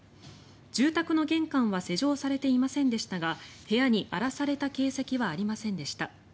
住宅の玄関は施錠されていませんでしたが部屋に荒らされた形跡はありませんでした。